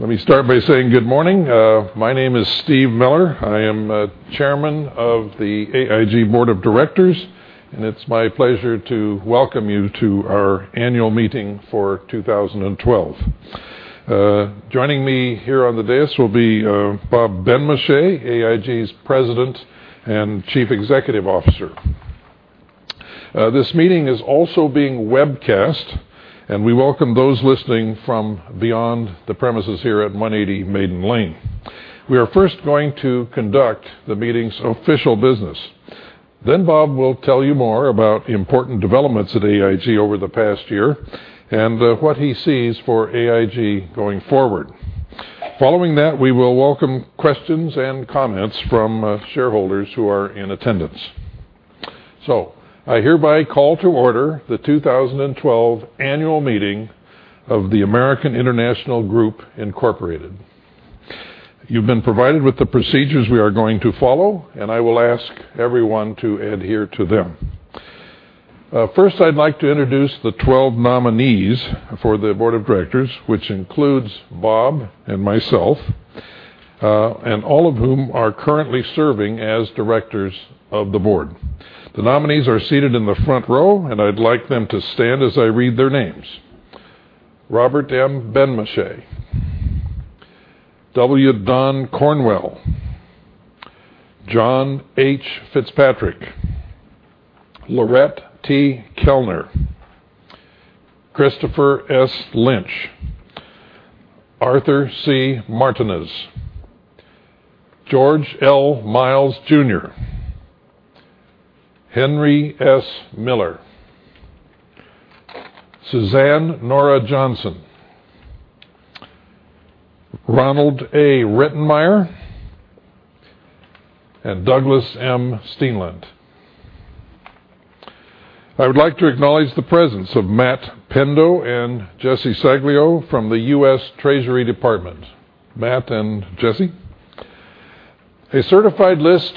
Let me start by saying good morning. My name is Steve Miller. I am Chairman of the AIG Board of Directors, and it's my pleasure to welcome you to our Annual Meeting for 2012. Joining me here on the dais will be Bob Benmosche, AIG's President and Chief Executive Officer. This meeting is also being webcast, and we welcome those listening from beyond the premises here at 180 Maiden Lane. We are first going to conduct the meeting's official business. Bob will tell you more about the important developments at AIG over the past year and what he sees for AIG going forward. Following that, we will welcome questions and comments from shareholders who are in attendance. I hereby call to order the 2012 Annual Meeting of the American International Group Incorporated. You've been provided with the procedures we are going to follow. I will ask everyone to adhere to them. First, I'd like to introduce the 12 nominees for the board of directors, which includes Bob and myself, and all of whom are currently serving as directors of the board. The nominees are seated in the front row, and I'd like them to stand as I read their names. Robert H. Benmosche, W. Don Cornwell, John H. Fitzpatrick, Laurette T. Koellner, Christopher S. Lynch, Arthur C. Martinez, George L. Miles Jr., Henry S. Miller, Suzanne Nora Johnson, Ronald A. Rittenmeyer, and Douglas M. Steenland. I would like to acknowledge the presence of Matt Pendo and Jesse Saglio from the U.S. Department of the Treasury. Matt and Jesse. A certified list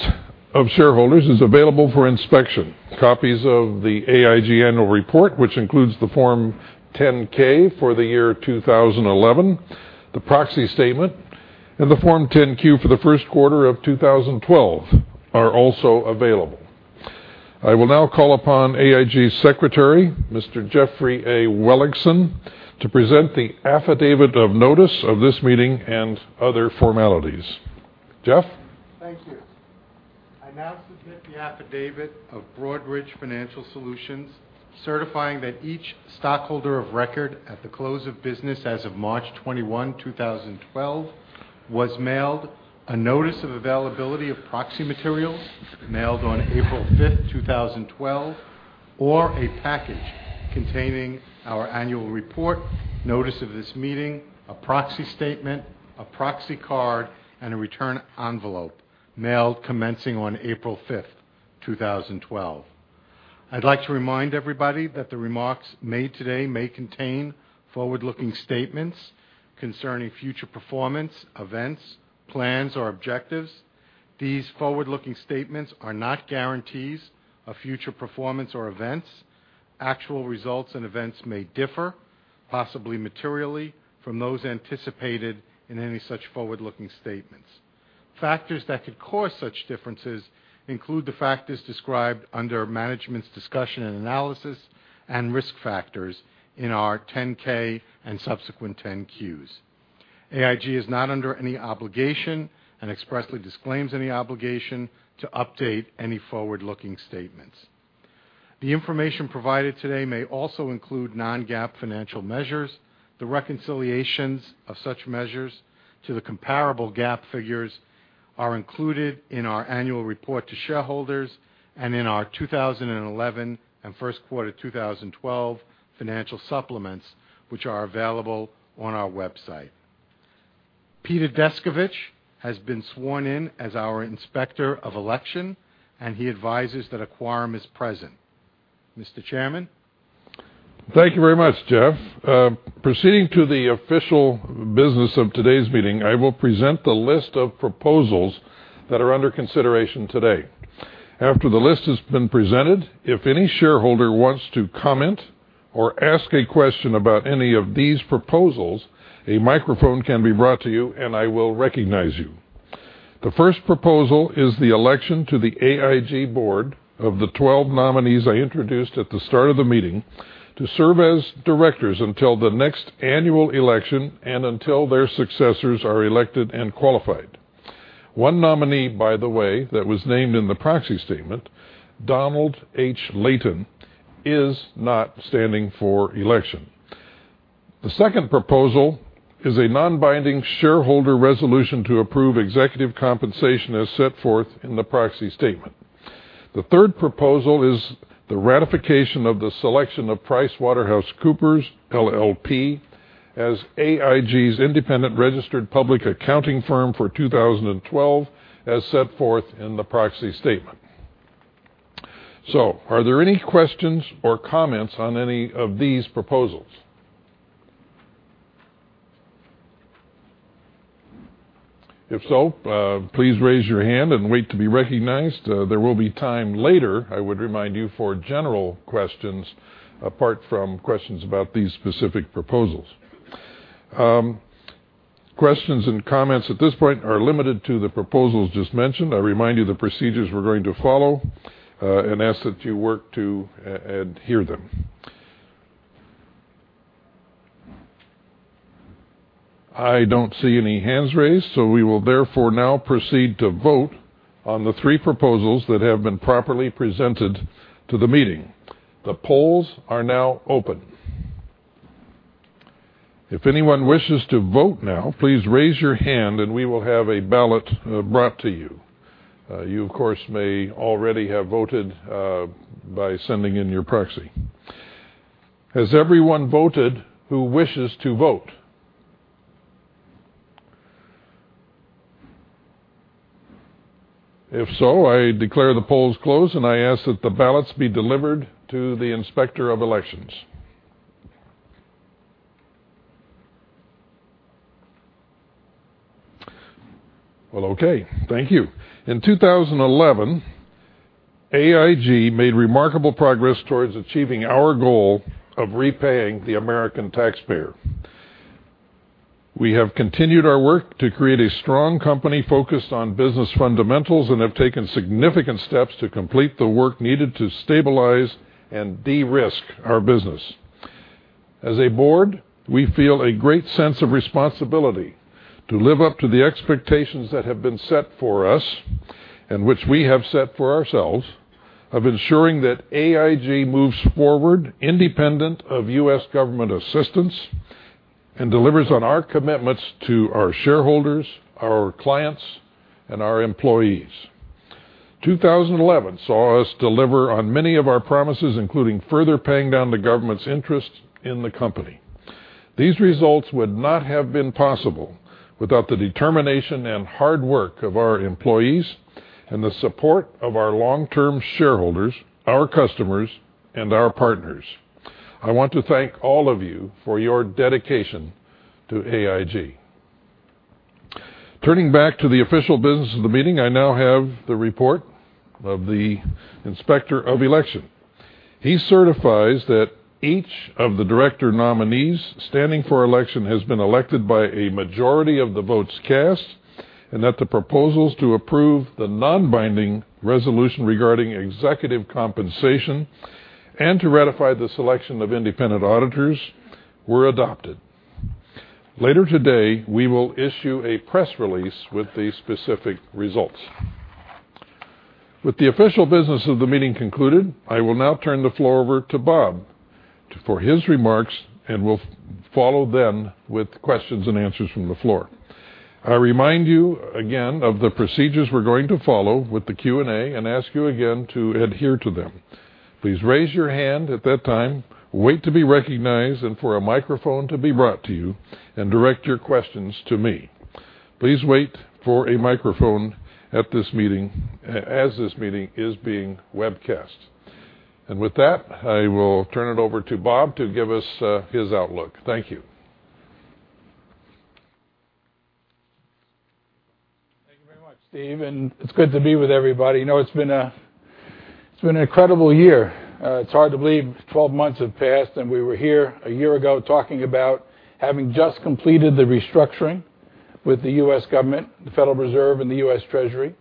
of shareholders is available for inspection. Copies of the AIG annual report, which includes the Form 10-K for the year 2011, the proxy statement, and the Form 10-Q for the first quarter of 2012, are also available. I will now call upon AIG's Secretary, Mr. Jeffrey A. Wellingham, to present the affidavit of notice of this meeting and other formalities. Jeff? Thank you. I now submit the affidavit of Broadridge Financial Solutions certifying that each stockholder of record at the close of business as of March 21, 2012, was mailed a notice of availability of proxy materials mailed on April 5th, 2012, or a package containing our annual report, notice of this meeting, a proxy statement, a proxy card, and a return envelope mailed commencing on April 5th, 2012. I'd like to remind everybody that the remarks made today may contain forward-looking statements concerning future performance, events, plans, or objectives. These forward-looking statements are not guarantees of future performance or events. Actual results and events may differ, possibly materially, from those anticipated in any such forward-looking statements. Factors that could cause such differences include the factors described under Management's Discussion and Analysis and Risk Factors in our 10-K and subsequent 10-Qs. AIG is not under any obligation and expressly disclaims any obligation to update any forward-looking statements. The information provided today may also include non-GAAP financial measures. The reconciliations of such measures to the comparable GAAP figures are included in our annual report to shareholders and in our 2011 and first quarter 2012 financial supplements, which are available on our website. Peter Descovich has been sworn in as our Inspector of Election, and he advises that a quorum is present. Mr. Chairman? Thank you very much, Jeff. Proceeding to the official business of today's meeting, I will present the list of proposals that are under consideration today. After the list has been presented, if any shareholder wants to comment or ask a question about any of these proposals, a microphone can be brought to you, and I will recognize you. The first proposal is the election to the AIG board of the 12 nominees I introduced at the start of the meeting to serve as directors until the next annual election and until their successors are elected and qualified. One nominee, by the way, that was named in the proxy statement, Donald H. Layton, is not standing for election. The second proposal is a non-binding shareholder resolution to approve executive compensation as set forth in the proxy statement. The third proposal is the ratification of the selection of PricewaterhouseCoopers LLP, as AIG's independent registered public accounting firm for 2012, as set forth in the proxy statement. Are there any questions or comments on any of these proposals? If so, please raise your hand and wait to be recognized. There will be time later, I would remind you, for general questions apart from questions about these specific proposals. Questions and comments at this point are limited to the proposals just mentioned. I remind you of the procedures we're going to follow and ask that you work to adhere them. I don't see any hands raised, we will therefore now proceed to vote on the three proposals that have been properly presented to the meeting. The polls are now open. If anyone wishes to vote now, please raise your hand and we will have a ballot brought to you. You of course may already have voted by sending in your proxy. Has everyone voted who wishes to vote? If so, I declare the polls closed and I ask that the ballots be delivered to the Inspector of Elections. Well, okay. Thank you. In 2011, AIG made remarkable progress towards achieving our goal of repaying the American taxpayer. We have continued our work to create a strong company focused on business fundamentals and have taken significant steps to complete the work needed to stabilize and de-risk our business. As a board, we feel a great sense of responsibility to live up to the expectations that have been set for us, and which we have set for ourselves, of ensuring that AIG moves forward independent of U.S. government assistance and delivers on our commitments to our shareholders, our clients, and our employees. 2011 saw us deliver on many of our promises, including further paying down the government's interest in the company. These results would not have been possible without the determination and hard work of our employees and the support of our long-term shareholders, our customers, and our partners. I want to thank all of you for your dedication to AIG. Turning back to the official business of the meeting, I now have the report of the Inspector of Election. He certifies that each of the director nominees standing for election has been elected by a majority of the votes cast, that the proposals to approve the non-binding resolution regarding executive compensation and to ratify the selection of independent auditors were adopted. Later today, we will issue a press release with the specific results. With the official business of the meeting concluded, I will now turn the floor over to Bob for his remarks. We'll follow then with questions and answers from the floor. I remind you again of the procedures we're going to follow with the Q&A. I ask you again to adhere to them. Please raise your hand at that time, wait to be recognized and for a microphone to be brought to you, and direct your questions to me. Please wait for a microphone as this meeting is being webcast. With that, I will turn it over to Bob to give us his outlook. Thank you. Thank you very much, Steve. It's good to be with everybody. You know, it's been an incredible year. It's hard to believe 12 months have passed. We were here a year ago talking about having just completed the restructuring with the U.S. government, the Federal Reserve, and the U.S. Treasury.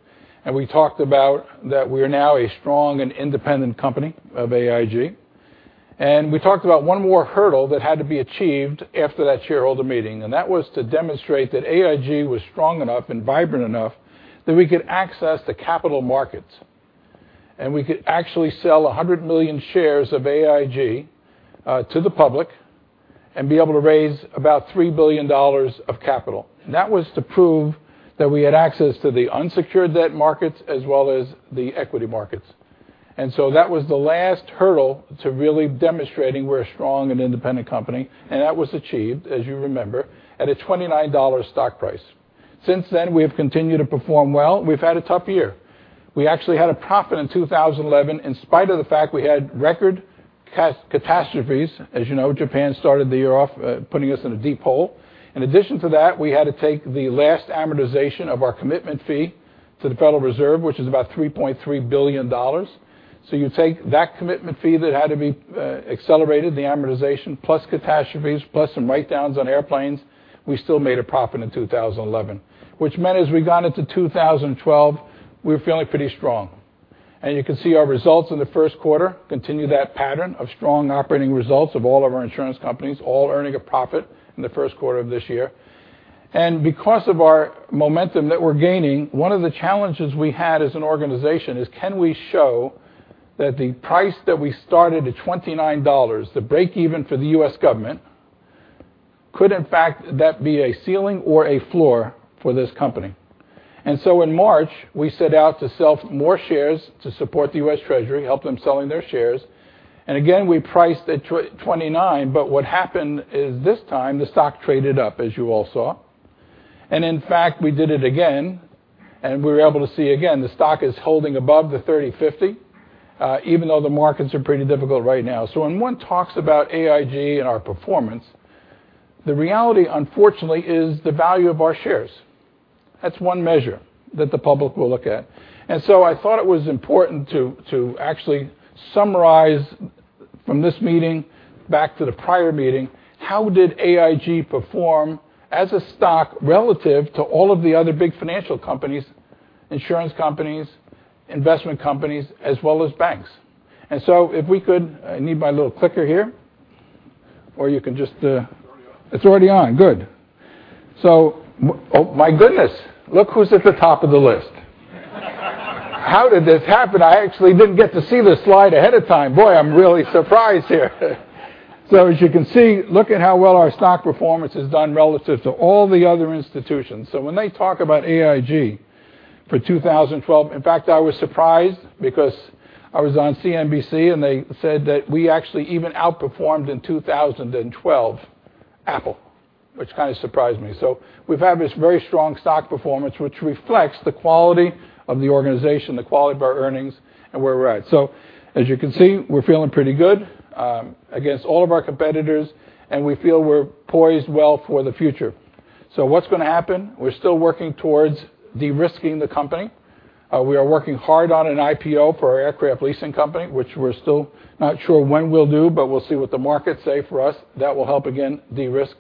We talked about that we are now a strong and independent company of AIG. We talked about one more hurdle that had to be achieved after that shareholder meeting. That was to demonstrate that AIG was strong enough and vibrant enough that we could access the capital markets. We could actually sell 100 million shares of AIG to the public and be able to raise about $3 billion of capital. That was to prove that we had access to the unsecured debt markets as well as the equity markets. That was the last hurdle to really demonstrating we are a strong and independent company, and that was achieved, as you remember, at a $29 stock price. Since then, we have continued to perform well. We have had a tough year. We actually had a profit in 2011 in spite of the fact we had record catastrophes. As you know, Japan started the year off putting us in a deep hole. In addition to that, we had to take the last amortization of our commitment fee to the Federal Reserve, which is about $3.3 billion. You take that commitment fee that had to be accelerated, the amortization, plus catastrophes, plus some write-downs on airplanes, we still made a profit in 2011, which meant as we got into 2012, we were feeling pretty strong. You can see our results in the first quarter continue that pattern of strong operating results of all of our insurance companies all earning a profit in the first quarter of this year. Because of our momentum that we are gaining, one of the challenges we had as an organization is can we show that the price that we started at $29, the break-even for the U.S. government, could in fact that be a ceiling or a floor for this company? In March, we set out to sell more shares to support the U.S. Treasury, help them selling their shares, and again, we priced at 29, but what happened is this time the stock traded up, as you all saw. In fact, we did it again, and we were able to see again the stock is holding above the $30.50. Even though the markets are pretty difficult right now. When one talks about AIG and our performance, the reality, unfortunately, is the value of our shares. That is one measure that the public will look at. I thought it was important to actually summarize from this meeting back to the prior meeting, how did AIG perform as a stock relative to all of the other big financial companies, insurance companies, investment companies, as well as banks? If we could, I need my little clicker here. It is already on. It's already on, good. Oh, my goodness. Look who's at the top of the list. How did this happen? I actually didn't get to see this slide ahead of time. Boy, I'm really surprised here. As you can see, look at how well our stock performance has done relative to all the other institutions. When they talk about AIG for 2012, in fact, I was surprised because I was on CNBC, and they said that we actually even outperformed in 2012 Apple, which kind of surprised me. We've had this very strong stock performance, which reflects the quality of the organization, the quality of our earnings, and where we're at. As you can see, we're feeling pretty good against all of our competitors, and we feel we're poised well for the future. What's going to happen? We're still working towards de-risking the company. We are working hard on an IPO for our aircraft leasing company, which we're still not sure when we'll do, but we'll see what the markets say for us. That will help, again, de-risk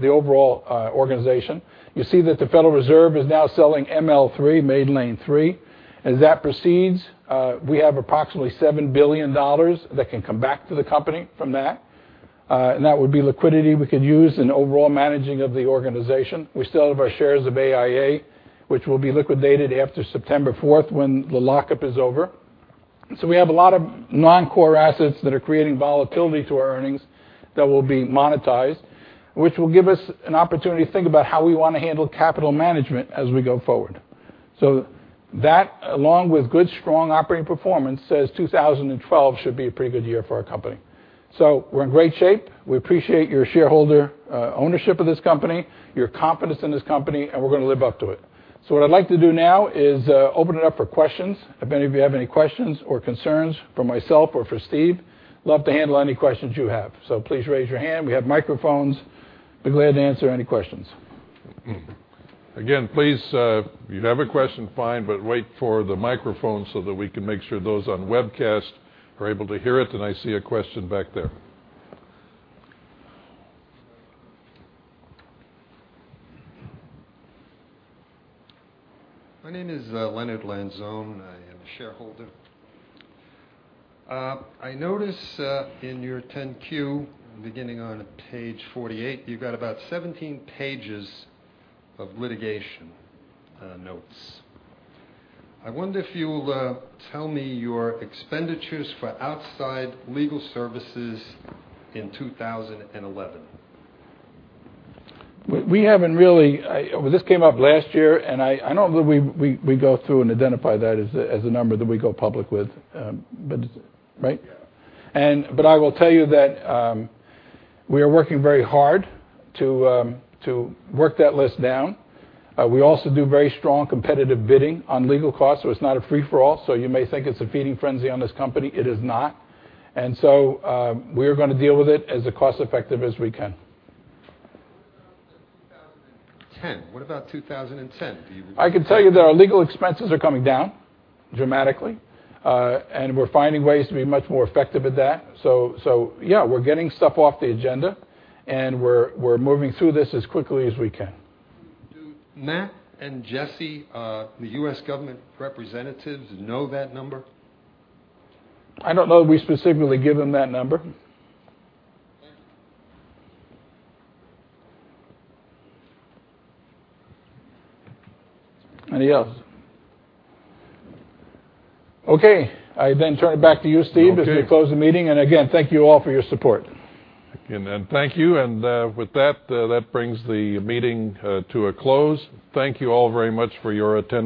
the overall organization. You see that the Federal Reserve is now selling ML3, Maiden Lane III. As that proceeds, we have approximately $7 billion that can come back to the company from that. That would be liquidity we could use in overall managing of the organization. We still have our shares of AIA, which will be liquidated after September 4th when the lockup is over. We have a lot of non-core assets that are creating volatility to our earnings that will be monetized, which will give us an opportunity to think about how we want to handle capital management as we go forward. That, along with good, strong operating performance, says 2012 should be a pretty good year for our company. We're in great shape. We appreciate your shareholder ownership of this company, your confidence in this company, and we're going to live up to it. What I'd like to do now is open it up for questions. If any of you have any questions or concerns for myself or for Steve, love to handle any questions you have. Please raise your hand. We have microphones. Be glad to answer any questions. Again, please, if you have a question, fine, but wait for the microphone so that we can make sure those on webcast are able to hear it. I see a question back there. My name is Leonard Lanzone. I am a shareholder. I notice in your 10-Q, beginning on page 48, you've got about 17 pages of litigation notes. I wonder if you will tell me your expenditures for outside legal services in 2011. This came up last year, I don't believe we go through and identify that as a number that we go public with. Right? Yeah. I will tell you that we are working very hard to work that list down. We also do very strong competitive bidding on legal costs, it's not a free for all. You may think it's a feeding frenzy on this company. It is not. We are going to deal with it as cost effective as we can. What about in 2010? What about 2010? I can tell you that our legal expenses are coming down dramatically, and we're finding ways to be much more effective at that. Yeah, we're getting stuff off the agenda, and we're moving through this as quickly as we can. Do Matt and Jesse, the U.S. government representatives, know that number? I don't know if we specifically give them that number. Anything else? I turn it back to you, Steve. Okay as we close the meeting. Again, thank you all for your support. Again, thank you. With that brings the meeting to a close. Thank you all very much for your attention.